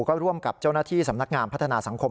ก็ร่วมกับเจ้าหน้าที่สำนักงานพัฒนาสังคม